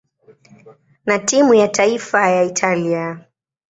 na timu ya taifa ya Italia.